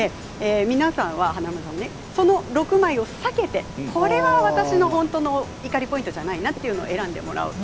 皆さんはその６枚を避けてこれは、私の本当の怒りポイントじゃないなというところを選んでもらう。